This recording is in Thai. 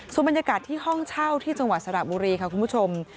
ส่วนบรรยากาศที่ห้องเช่าที่จังหวัดสระบุรีค่ะคุณผู้ชม